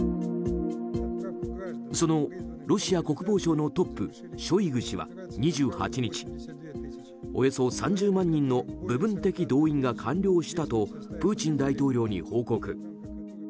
そのロシア国防省のトップショイグ氏は２８日、およそ３０万人の部分的動員が完了したとプーチン大統領に報告。